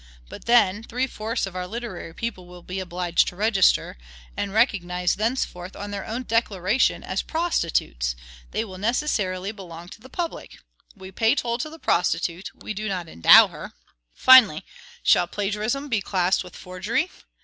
But, then, three fourths of our literary people will be obliged to register; and, recognized thenceforth on their own declaration as PROSTITUTES, they will necessarily belong to the public. We pay toll to the prostitute; we do not endow her. Finally, shall plagiarism be classed with forgery?